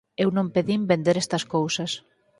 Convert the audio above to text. Eu non pedín vender estas cousas.